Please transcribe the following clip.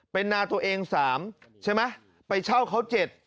เป็นนาตัวเอง๓ใช่ไหมไปเช่าเขา๗